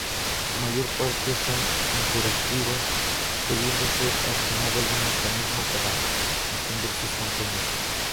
Su mayor parte son interactivos, debiendo ser accionado algún mecanismo para entender sus contenidos.